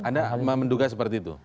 anda menduga seperti itu